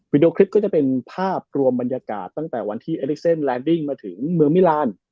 วีดีโอคลิปก็จะเป็นภาพรวมบรรยากาศตั้งแต่วันที่เอลิเซนต์มาถึงเมืองมิรานด์